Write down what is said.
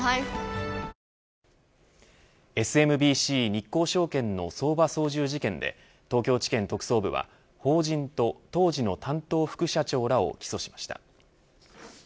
ＳＭＢＣ日興証券の相場操縦事件で東京地検特捜部は法人と、当時の担当副社長らを起訴しました。